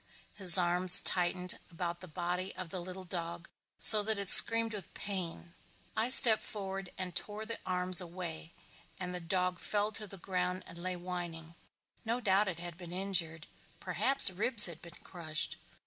His arms tightened about the body of the little dog so that it screamed with pain. I stepped forward and tore the arms away and the dog fell to the ground and lay whining. No doubt it had been injured. Perhaps ribs had been crushed.